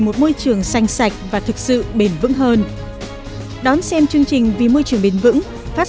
một môi trường xanh sạch và thực sự bền vững hơn đón xem chương trình vì môi trường bền vững phát